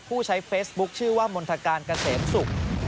ผู้ใช้เฟซบุ๊คชื่อว่ามณฑการเกษมศุกร์